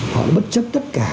họ bất chấp tất cả